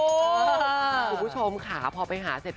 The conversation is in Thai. คุณผู้ชมค่ะพอไปหาเสร็จ